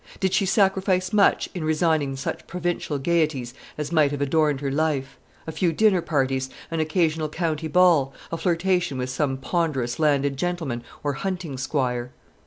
Did she sacrifice much in resigning such provincial gaieties as might have adorned her life, a few dinner parties, an occasional county ball, a flirtation with some ponderous landed gentleman or hunting squire?